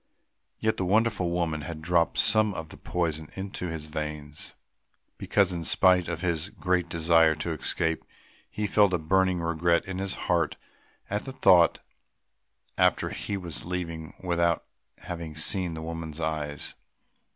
Yet the wonderful woman had dropped some of the poison into his veins, because, in spite of his great desire to escape, he felt a burning regret in his heart at the thought that he was leaving without having seen the woman's eyes.